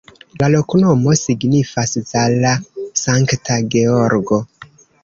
La loknomo signifas: Zala-Sankta Georgo.